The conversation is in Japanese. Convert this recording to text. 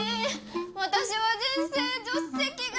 私は人生助手席がいい！